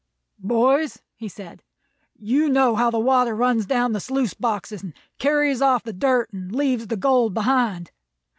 "Boys," he said, "you know how the water runs down the sluice boxes and carries off the dirt and leaves the gold behind.